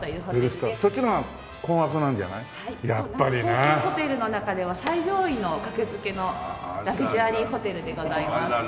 東急ホテルの中では最上位の格付けのラグジュアリーホテルでございます。